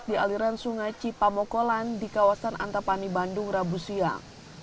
di aliran sungai cipamokolan di kawasan antapani bandung rabu siang